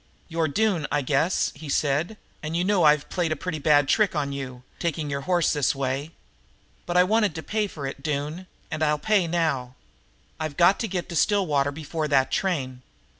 "You're Doone, I guess," he said, "and you know that I've played a pretty bad trick on you, taking your hoss this way. But I wanted to pay for it, Doone, and I'll pay now. I've got to get to Stillwater before that train.